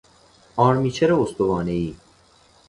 آرمیچر استوانهای